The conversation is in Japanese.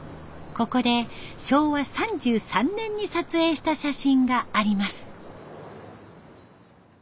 ここで昭和３３年に撮影した写真があります。